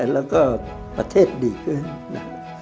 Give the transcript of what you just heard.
แล้วก็ประเทศดีขึ้นนะ